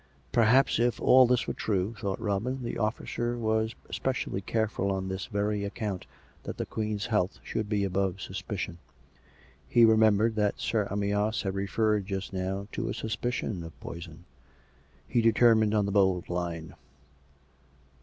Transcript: Perhaps, if all this were true, thought Robin, the officer was espe cially careful on this very account that the Queen's health should be above suspicion. He remembered that Sir Amyas had referred just now to a suspicion of poison. ... He determined on the bold line.